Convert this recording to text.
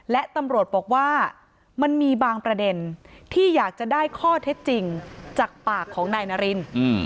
และตำรวจบอกว่ามันมีบางประเด็นที่อยากจะได้ข้อเท็จจริงจากปากของนายนาริน